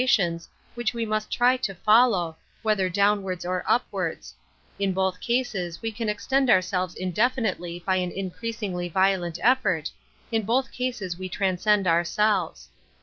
tions which we must try to follow, whether downwards or upwards; in both cases we can extend ourselves indefinitely by an in creasingly violent effort, in both cases we '^^ transcend ourselves.